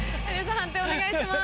判定お願いします。